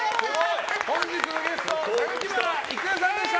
本日のゲスト榊原郁恵さんでした。